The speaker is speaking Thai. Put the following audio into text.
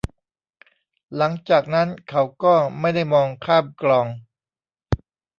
หลังจากนั้นเขาก็ไม่ได้มองข้ามกลอง